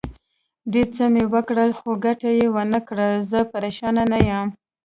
ډېر څه مې وکړل، خو ګټه یې ونه کړه، زه پرېشانه نه یم.